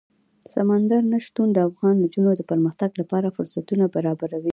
سمندر نه شتون د افغان نجونو د پرمختګ لپاره فرصتونه برابروي.